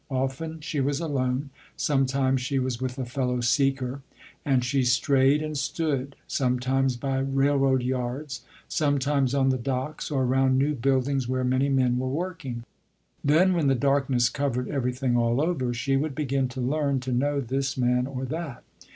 Often she was alone, sometimes she was with a fellow seeker, and she strayed and stood, sometimes by railroad yards, sometimes on the docks or around new buildings where many men were working. Then when the darkness covered everything all over, she would begin to learn to know this man or that.